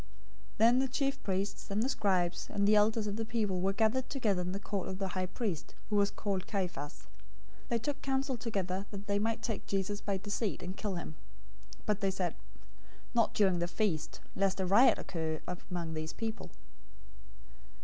026:003 Then the chief priests, the scribes, and the elders of the people were gathered together in the court of the high priest, who was called Caiaphas. 026:004 They took counsel together that they might take Jesus by deceit, and kill him. 026:005 But they said, "Not during the feast, lest a riot occur among the people."